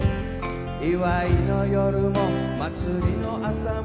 「祝いの夜も祭りの朝も」